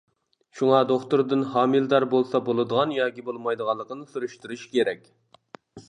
شۇڭا دوختۇردىن ھامىلىدار بولسا بولىدىغان ياكى بولمايدىغانلىقىنى سۈرۈشتۈرۈش كېرەك.